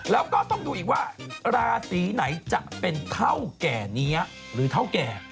แล้วก็ต้องดูอีกว่าราศีไหนจะเป็นเท่าแก่นี้หรือเท่าแก่